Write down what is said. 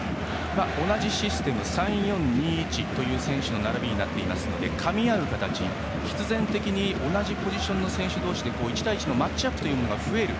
同じシステム３−４−２−１という選手の並びになっていますのでかみ合う形、必然的に同じポジションの選手同士で１対１のマッチアップが増える